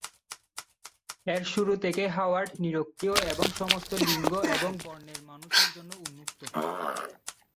এর শুরু থেকেই হাওয়ার্ড নিরক্ষীয় এবং সমস্ত লিঙ্গ এবং বর্ণের মানুষের জন্য উন্মুক্ত।